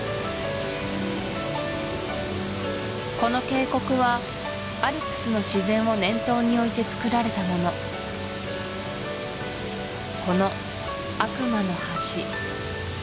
この渓谷はアルプスの自然を念頭に置いてつくられたものこの「悪魔の橋」